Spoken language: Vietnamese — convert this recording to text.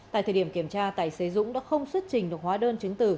tại thời điểm kiểm tra tài xế dũng đã không xuất trình được hóa đơn chứng từ